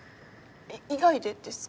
以外でですか？